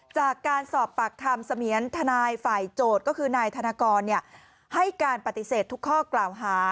จากการสอบปากคำเสมียนทนายฝ่ายโจทย์ก็คือนายธนกรให้การปฏิเสธทุกข้อกล่าวหา